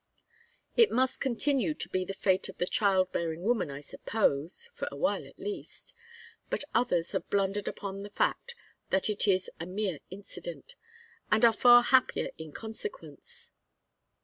It must continue to be the fate of the child bearing woman, I suppose for a while at least; but others have blundered upon the fact that it is a mere incident, and are far happier in consequence.